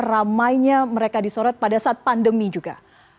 ramainya mereka disorot pada saat pandemi juga